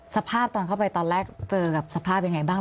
สภาพตอนเข้าไปตอนแรกเจอกับสภาพยังไงบ้าง